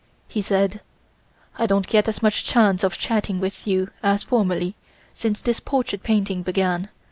He said: "I don't get as much chance of chatting with you as formerly since this portrait painting began.